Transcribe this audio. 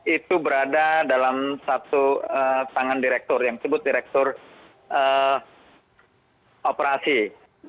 itu berada dalam satu tangan direktur yang disebut direktur operasi